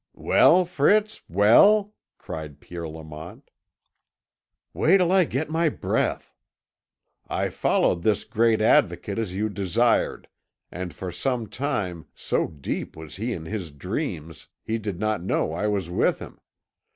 "Well, Fritz, well?" cried Pierre Lamont. "Wait till I get my breath. I followed this great Advocate as you desired, and for some time, so deep was he in his dreams, he did not know I was with him.